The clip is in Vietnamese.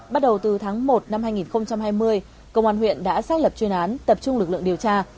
bắt đầu từ tháng một năm hai nghìn hai mươi công an huyện đã xác lập chuyên án tập trung lực lượng điều tra